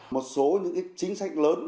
một số những chính sách lớn